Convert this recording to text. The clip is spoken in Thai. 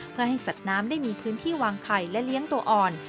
เพื่อให้สัตว์น้ำได้มีพื้นที่วางไข่และเลี้ยงตัวอ่อน